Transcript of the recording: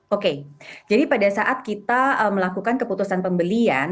oke jadi pada saat kita melakukan keputusan pembelian